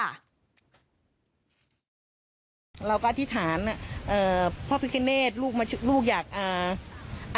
เราก็อธิษฐานเอ่อพระพิคาร์เนตลูกมาลูกอยากอ่า